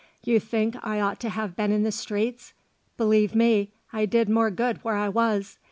"You think I ought to have been in the streets? Believe me, I did more good where I was.